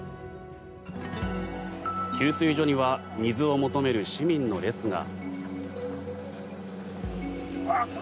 給水所には水を求める市民の列が。